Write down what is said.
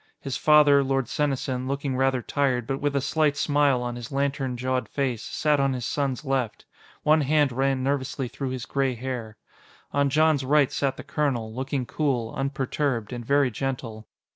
His father, Lord Senesin, looking rather tired, but with a slight smile on his lantern jawed face, sat on his son's left. One hand ran nervously through his gray hair. On Jon's right sat the colonel, looking cool, unperturbed, and very gentle.